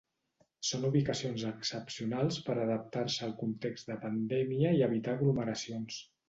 Són ubicacions excepcionals per a adaptar-se al context de pandèmia i evitar aglomeracions.